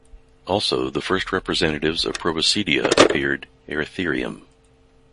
Also, the first representatives of Proboscidea appeared, "Eritherium".